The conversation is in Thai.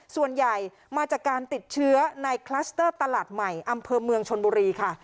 ส่วนใหญ่มาจากการติดเชื้อในคลัสเตอร์ตลาดใหม่อำเภอเมืองชนบุรีค่ะ